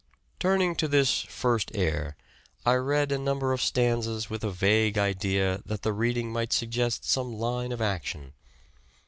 The point Turning to this " first heir " I read a number of stanzas with a vague idea that the reading might suggest some line of action.